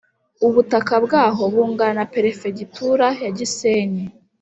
ubutaka bwaho bungana na perefegitura ya gisenyi,